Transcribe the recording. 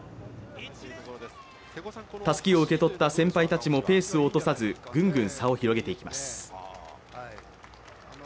たすきを受け取った先輩たちもペースを落とさずぐんぐん差を広げていきます。